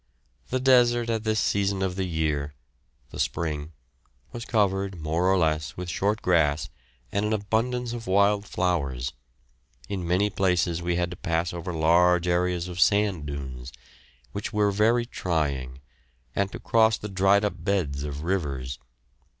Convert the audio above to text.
The desert at this season of the year the spring was covered, more or less, with short grass and an abundance of wild flowers. In many places we had to pass over large areas of sand dunes, which were very trying, and to cross the dried up beds of rivers.